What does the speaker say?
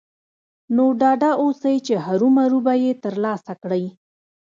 نو ډاډه اوسئ چې هرو مرو به يې ترلاسه کړئ.